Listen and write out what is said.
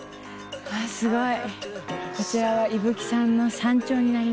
わすごい！